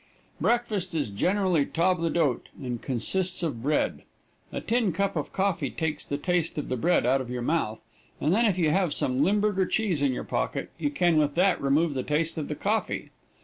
Breakfast is generally table d'hôte and consists of bread. A tin cup of coffee takes the taste of the bread out of your mouth, and then if you have some Limburger cheese in your pocket you can with that remove the taste of the coffee.